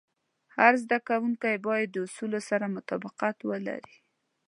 هر زده کوونکی باید د اصولو سره مطابقت ولري.